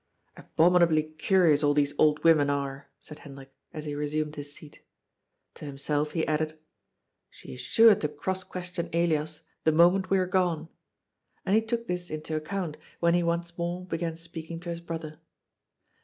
"Abominably curious all these old women are," said Hendrik, as he resumed his seat. To himself he added : "She is sure to cross question Elias the moment we are gone !" and he took this into account, when he once more began speaking to his brother.